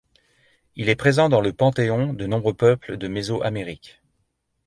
Il est présent dans le panthéon de nombreux peuples de Méso-Amérique.